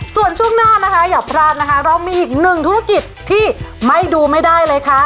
ส่วนช่วงหน้านะคะอย่าพลาดนะคะเรามีอีกหนึ่งธุรกิจที่ไม่ดูไม่ได้เลยค่ะ